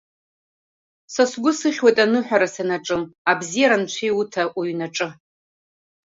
Са сгәы сыхьуеит аныҳәара санаҿым, абзиара Анцәа иуҭа уҩнаҿы!